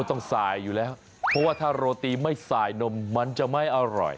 ต้องสายอยู่แล้วเพราะว่าถ้าโรตีไม่สายนมมันจะไม่อร่อย